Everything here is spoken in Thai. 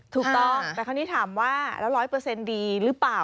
ถูกต้องแต่คราวนี้ถามว่าแล้วร้อยเปอร์เซ็นต์ดีหรือเปล่า